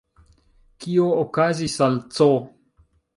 Kio okazis al C!?